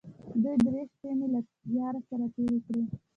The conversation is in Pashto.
دوه درې شپې مې له ياره سره تېرې کړې.